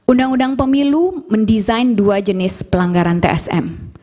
undang undang pemilu mendesain dua jenis pelanggaran tsm